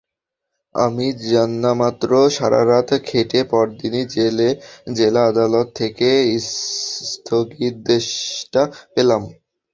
আমি জানামাত্র সারা রাত খেটে পরদিনই জেলা আদালত থেকে স্থগিতাদেশটা পেলাম।